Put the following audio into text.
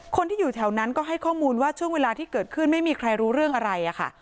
คนที่อยู่แถวนั้นก็ให้ข้อมูลว่าช่วงเวลาที่เกิดขึ้นไม่มีใครรู้เรื่องอะไรอะค่ะ